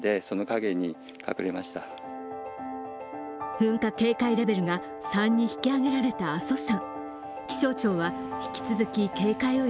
噴火警戒レベルが３に引き上げられた阿蘇山。